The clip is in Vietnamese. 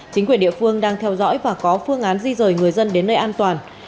chính quyền địa phương đang theo dõi và có phương án di rời người dân đến nơi an toàn